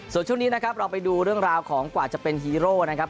ส่วนช่วงนี้นะครับเราไปดูเรื่องราวของกว่าจะเป็นฮีโร่นะครับ